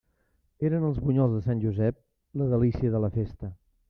Eren els bunyols de Sant Josep, la delícia de la festa.